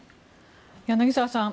柳澤さん